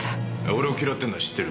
俺を嫌ってるのは知ってる。